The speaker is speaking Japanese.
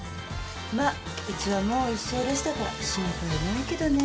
まあうちはもう一生レスだから心配ないけどね。